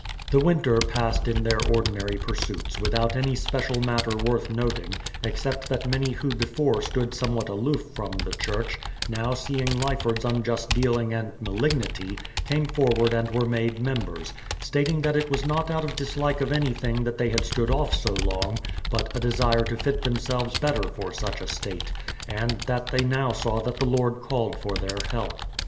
The winter passed in their ordinary pursuits, without any special matter worth noting, — except that many who before stood somewhat aloof from the church, now seeing Lyford's unjust dealing and malignity, came forward and were made members, stating that it w^as not out of dislike of anything that they had stood off so long, but a desire to fit themselves better for such a state ; and that they now saw that the Lord called for their help.